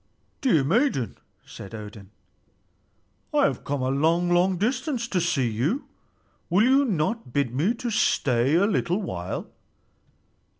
"Dear maiden," said Odin, "I have come a long, long distance to see you. Will you not bid me stay a little while?"